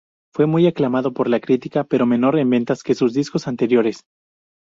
Fue muy aclamado por la crítica, pero menor en ventas que sus discos anteriores.